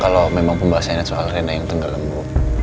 kalau memang pembahasannya soal rena yang tenggelam bu